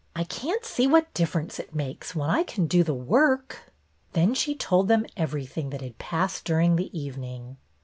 " I can't see what difference it makes when I can do the work." Then she told them everything that had passed during the evening.